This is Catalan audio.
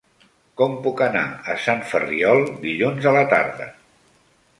Com puc anar a Sant Ferriol dilluns a la tarda?